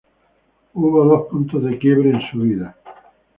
Hubo dos puntos de quiebre en su vida.